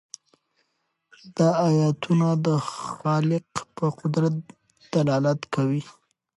دا آیتونه د خالق په قدرت دلالت کوي.